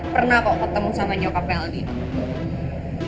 pernah kok ketemu sama nyokapnya aldino